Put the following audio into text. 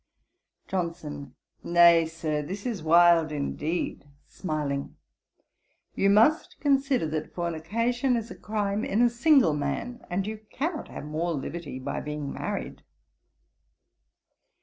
JOHNSON. 'Nay, Sir, this is wild indeed (smiling) you must consider that fornication is a crime in a single man; and you cannot have more liberty by being married.'